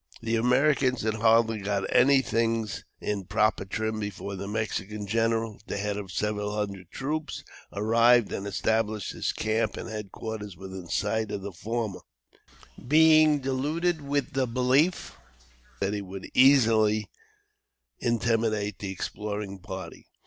The Americans had hardly got things in proper trim before the Mexican general, at the head of several hundred troops, arrived and established his camp and head quarters within sight of the former, being deluded with the belief that he would easily intimidate the exploring party.